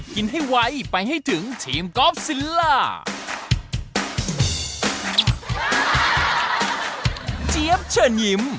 เจี๊ยบเชิญยิ้ม